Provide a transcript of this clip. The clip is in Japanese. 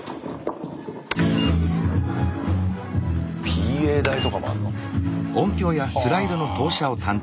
ＰＡ台とかもあんの。はあ全部。